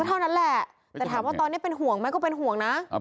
เท่านั้นแหละแต่ถามว่าตอนนี้เป็นห่วงไหมก็เป็นห่วงนะ